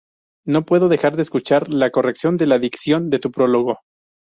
No puedo dejar de escuchar la corrección de la dicción de tu prólogo".